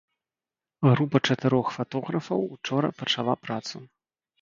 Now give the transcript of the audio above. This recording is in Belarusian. Група чатырох фатографаў учора пачала працу.